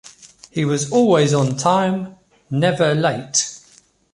He was always on time, never late.